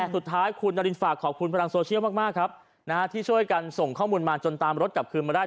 สุดท้ายคุณนารินฝากขอบคุณพลังโซเชียลมากครับที่ช่วยกันส่งข้อมูลมาจนตามรถกลับคืนมาได้